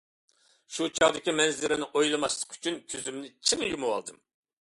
شۇ چاغدىكى مەنزىرىنى ئويلىماسلىق ئۈچۈن، كۆزۈمنى چىڭ يۇمۇۋالدىم.